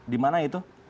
di mana itu